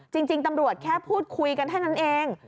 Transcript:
จริงตำรวจแค่พูดคุยกันเท่านั้นเอง